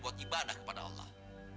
buat ibadah kepada allah